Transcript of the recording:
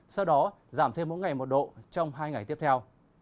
sau đó giảm thêm mỗi ngày một độ trong hai ngày tiếp theo